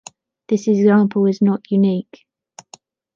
This example is not unique.